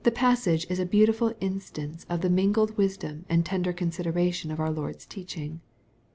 The passage is a beautiful instance of the mingled wisdom and tender consideration of our Lord's teaching.